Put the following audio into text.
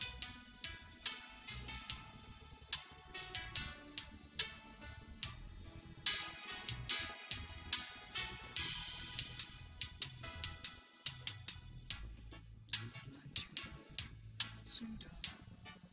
akan wajiban kamu sebagai seorang ibu